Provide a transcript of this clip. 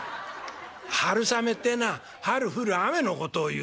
春雨ってえのは春降る雨のことをいうんだ」。